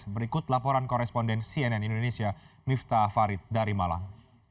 berikut laporan koresponden cnn indonesia miftah farid dari malang